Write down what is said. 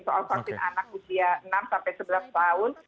soal vaksin anak usia enam sampai sebelas tahun